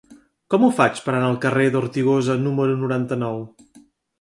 Com ho faig per anar al carrer d'Ortigosa número noranta-nou?